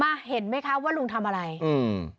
เห็นไหมคะว่าลุงทำอะไรอืม